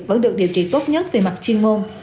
vẫn được điều trị tốt nhất về mặt chuyên môn